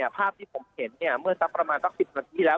ภาพที่ผมเห็นเมื่อสักประมาณสัก๑๐นาทีแล้ว